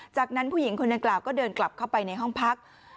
จากนั้นผู้หญิงคนดังกล่าวก็เดินกลับเข้าไปในห้องพัก